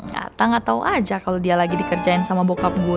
ngata gak tau aja kalo dia lagi dikerjain sama bokap gue